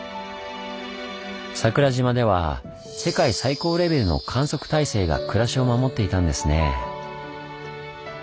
桜島では世界最高レベルの観測体制が暮らしを守っていたんですね。